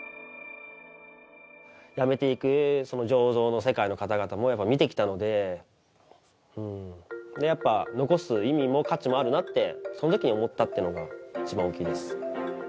やめていく醸造の世界の方々もやっぱ見てきたのでやっぱ残す意味も価値もあるなってその時に思ったっていうのが一番大きいです。